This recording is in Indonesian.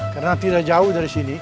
karena tidak jauh dari sini